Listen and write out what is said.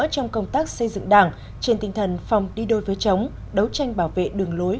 trong công tác xây dựng đảng trên tinh thần phòng đi đôi với chống đấu tranh bảo vệ đường lối